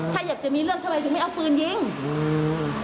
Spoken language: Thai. ถ้าอยากจะมีเรื่องทำไมถึงไม่เอาปืนยิงอืม